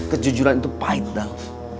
kejujuran itu pahit dong